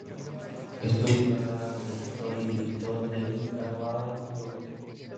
Estuvo casada con el actor y director Dennis Carvalho.